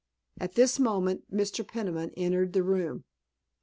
At this moment Mr. Peniman entered the room.